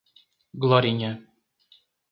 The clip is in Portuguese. Glorinha